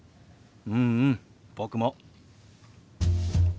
うんうん僕も。